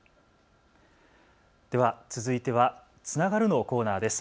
では続いてはつながるのコーナーです。